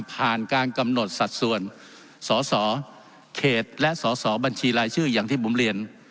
การกำหนดสัดส่วนสสเขตและสอสอบัญชีรายชื่ออย่างที่ผมเรียน